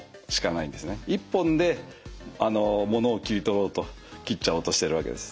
１本でものを切り取ろうと切っちゃおうとしてるわけです。